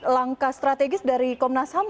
langkah strategis dari komnas ham